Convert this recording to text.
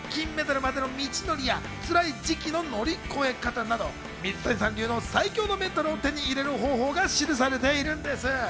こちらは金メダルまでの道のりや辛い時期の乗り越え方など水谷さん流の最強のメンタルを手に入れる方法が記されているんです。